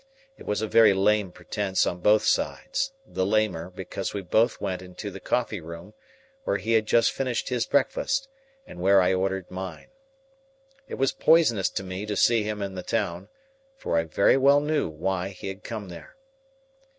It was a very lame pretence on both sides; the lamer, because we both went into the coffee room, where he had just finished his breakfast, and where I ordered mine. It was poisonous to me to see him in the town, for I very well knew why he had come there.